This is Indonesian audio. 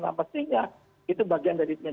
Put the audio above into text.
dan pastinya itu bagian dari timbul